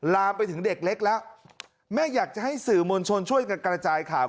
ลามไปถึงเด็กเล็กแล้วแม่อยากจะให้สื่อมวลชนช่วยกันกระจายข่าว